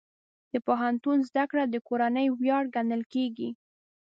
د پوهنتون زده کړه د کورنۍ ویاړ ګڼل کېږي.